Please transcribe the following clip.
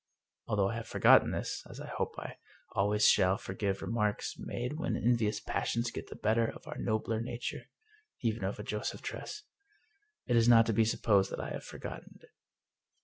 Although I have forgotten this, as I hope I always shall forgive remarks made when envious passions get the better of our nobler nature, even of a Joseph Tress, it is not to be sup posed, that I have forgotten it.